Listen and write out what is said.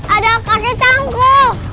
ada kakek canggul